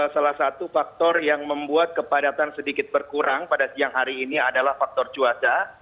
salah satu faktor yang membuat kepadatan sedikit berkurang pada siang hari ini adalah faktor cuaca